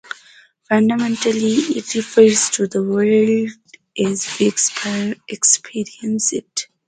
Fundamentally, "It" refers to the world as we experience it.